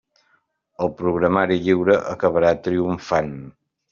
El programari lliure acabarà triomfant.